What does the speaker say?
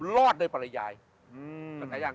รอดด้วยปริญญาณ